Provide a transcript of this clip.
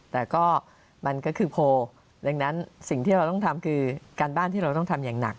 แต่ก็มันก็คือโพลดังนั้นสิ่งที่เราต้องทำคือการบ้านที่เราต้องทำอย่างหนัก